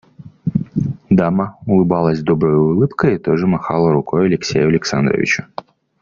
Дама улыбалась доброю улыбкой и тоже махала рукой Алексею Александровичу.